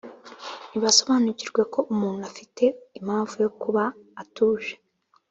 Nibasobanukirwe ko muntu Afite impamvu yo kuba atuje